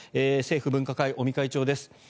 政府分科会、尾身会長です。